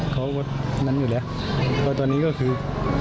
เขาว่ะนั้นอยู่แหละเท่านี้ก็คือ